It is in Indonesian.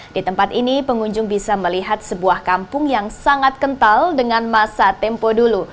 di tempat ini pengunjung bisa melihat sebuah kampung yang sangat kental dengan masa tempo dulu